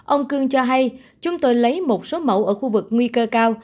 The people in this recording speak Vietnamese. ông cương cho hay chúng tôi lấy một số mẫu ở khu vực nguy cơ cao